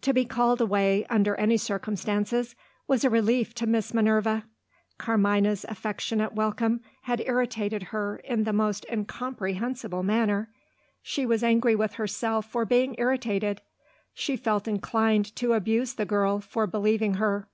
To be called away, under any circumstances, was a relief to Miss Minerva. Carmina's affectionate welcome had irritated her in the most incomprehensible manner. She was angry with herself for being irritated; she felt inclined to abuse the girl for believing her.